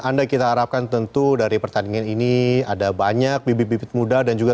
anda kita harapkan tentu dari pertandingan ini ada banyak bibit bibit muda dan juga